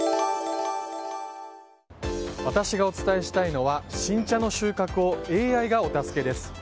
私がお伝えしたいのは新茶の収穫をＡＩがお助けです。